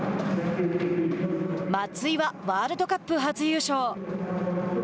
松井はワールドカップ初優勝。